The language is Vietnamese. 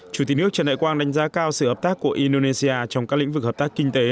chủ tịch nước trần đại quang đánh giá cao sự hợp tác của indonesia trong các lĩnh vực hợp tác kinh tế